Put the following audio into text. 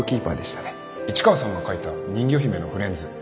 市川さんが描いた人魚姫のフレンズ